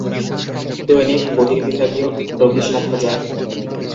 দৈনিক বহির্বিভাগীয় রোগী সাত হাজার।